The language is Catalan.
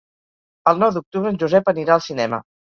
El nou d'octubre en Josep anirà al cinema.